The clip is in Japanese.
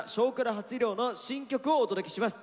初披露の新曲をお届けします。